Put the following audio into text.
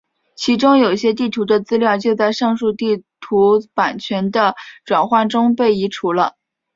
其中有些地图的资料就在上述地图版权的转换中被移除了。